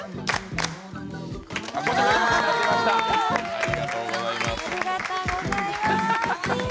ありがとうございます。